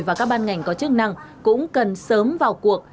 và các ban ngành có chức năng cũng cần sớm vào cuộc